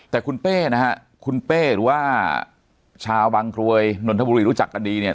แต่คุณเป้นะฮะคุณเป้หรือว่าชาวบางกรวยนนทบุรีรู้จักกันดีเนี่ย